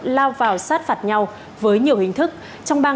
lao vào sát phạt nhau với nhiều hình thức